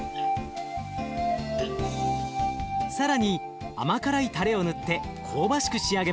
更に甘辛いたれを塗って香ばしく仕上げます。